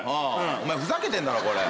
お前ふざけてんだろこれ。